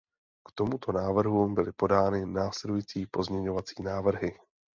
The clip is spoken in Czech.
K tomuto návrhu byly podány následující pozměňovací návrhy.